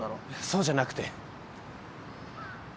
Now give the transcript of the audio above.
そうじゃなくて。